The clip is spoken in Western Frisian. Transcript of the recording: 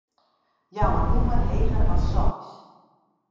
Jou in nûmer heger as seis.